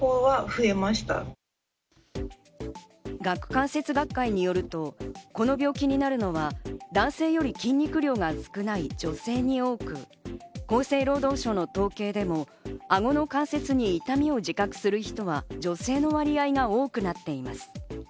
顎関節学会によると、この病気になるのは男性より筋肉量が少ない女性に多く、厚生労働省の統計でも、顎の関節に痛みを自覚する人は女性の割合が多くなっています。